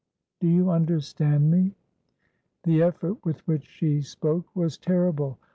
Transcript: Do you understand me?" The effort with which she spoke was terrible.